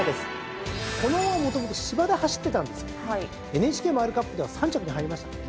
ＮＨＫマイルカップでは３着に入りましたからね。